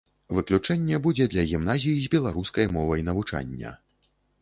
Выключэнне будзе для гімназій з беларускай мовай навучання.